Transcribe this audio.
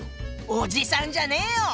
おじさんじゃねえよ！